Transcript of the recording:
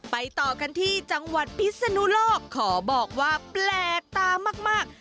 ต่อกันที่จังหวัดพิศนุโลกขอบอกว่าแปลกตามาก